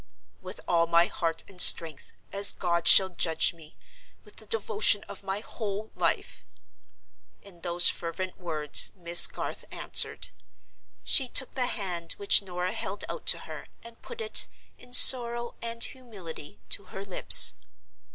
"With all my heart and strength—as God shall judge me, with the devotion of my whole life!" In those fervent words Miss Garth answered. She took the hand which Norah held out to her, and put it, in sorrow and humility, to her lips.